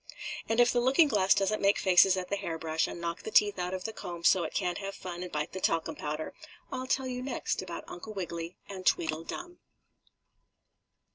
And if the looking glass doesn't make faces at the hairbrush and knock the teeth out of the comb so it can't have fun and bite the talcum powder, I'll tell you next about Uncle Wiggily and Tweedledum.